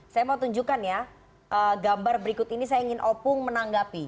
saya mau tunjukkan ya gambar berikut ini saya ingin opung menanggapi